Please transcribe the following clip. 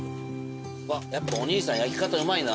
やっぱお兄さん焼き方うまいな。